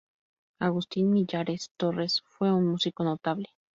Agustín Millares Torres fue un músico notable.